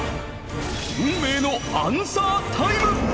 運命のアンサータイム！